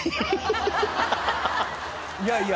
いやいや。